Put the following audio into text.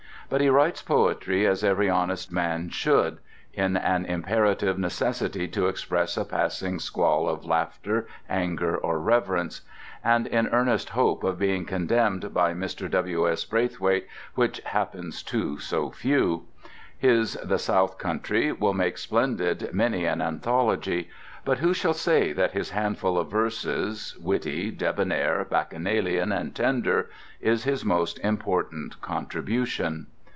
But he writes poetry as every honest man should: in an imperative necessity to express a passing squall of laughter, anger, or reverence; and in earnest hope of being condemned by Mr. W.S. Braithwaite, which happens to so few. His "The South Country" will make splendid many an anthology. But who shall say that his handful of verses, witty, debonair, bacchanalian, and tender, is his most important contribution?